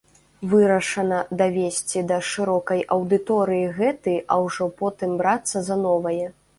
Вырашана давесці да шырокай аўдыторыі гэты, а ўжо потым брацца за новае.